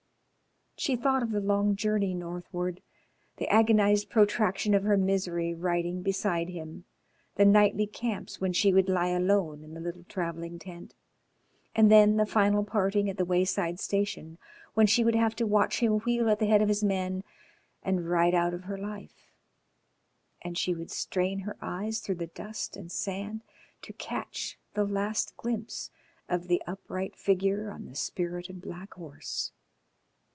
She thought of the long journey northward, the agonised protraction of her misery riding beside him, the nightly camps when she would lie alone in the little travelling tent, and then the final parting at the wayside station, when she would have to watch him wheel at the head of his men and ride out of her life, and she would strain her eyes through the dust and sand to catch the last glimpse of the upright figure on the spirited black horse.